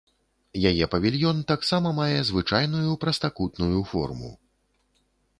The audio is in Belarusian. Яе павільён таксама мае звычайную прастакутную форму.